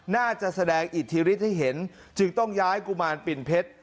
น่าจะแสดงอิทธิฤทธิให้เห็นจึงต้องย้ายกุมารปิ่นเพชร